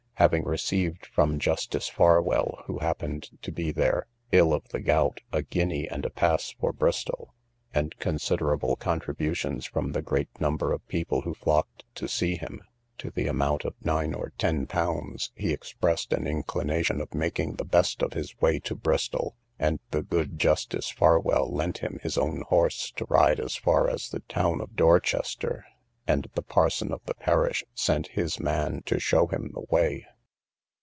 Having received from Justice Farwell, who happened to be there, ill of the gout, a guinea and a pass for Bristol, and considerable contributions from the great number of people who flocked to see him, to the amount of nine or ten pounds, he expressed an inclination of making the best of his way to Bristol: and the good Justice Farwell lent him his own horse to ride as far as the town of Dorchester, and the parson of the parish sent his man to show him the way.